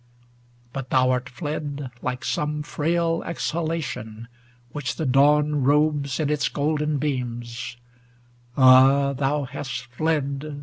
But thou art fled, Like some frail exhalation, which the dawn Robes in its golden beams, ŌĆö ah ! thou hast fled